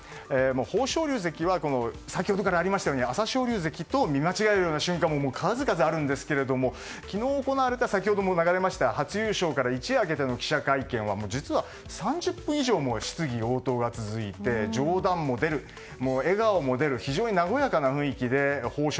豊昇龍関は先ほどありましたように朝青龍関と見間違えるような瞬間も数々あるんですが昨日行われた先ほども流れました、初優勝から一夜明けての記者会見は実は３０分以上も質疑応答が続いて、冗談も出る笑顔も出る非常に和やかな雰囲気で豊昇